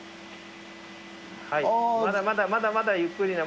まだまだまだまだゆっくり。